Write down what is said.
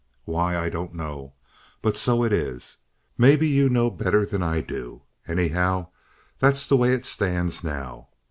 Why, I don't know. But so it is. Maybe you know better than I do. Anyhow, that's the way it stands now.